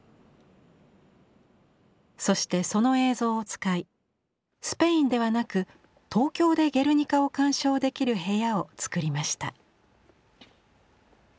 そしてその映像を使いスペインではなく東京で「ゲルニカ」を鑑賞できる部屋をつくりました。